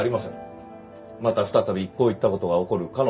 また再びこういった事が起こる可能性はある。